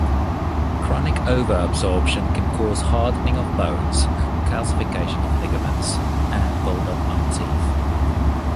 Chronic over-absorption can cause hardening of bones, calcification of ligaments, and buildup on teeth.